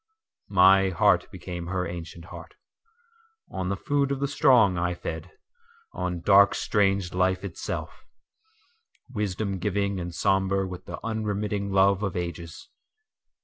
…My heart became her ancient heart:On the food of the strong I fed, on dark strange life itself:Wisdom giving and sombre with the unremitting love of ages.